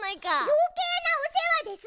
よけいなおせわです！